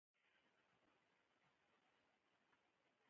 پروژه څنګه تطبیقیږي؟